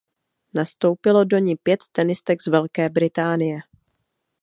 Nastoupilo do ni pět tenistek z Velké Británie.